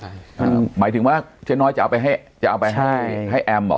หมายถึงว่าเจ๊น้อยจะเอาไปให้แอมเหรอ